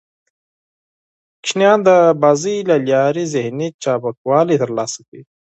ماشومان د لوبو له لارې ذهني چابکوالی ترلاسه کوي.